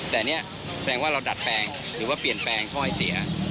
แต่นี่แปลว่าเราดัดแปลงหรือว่าเปลี่ยนแปลงข้อให้เสีย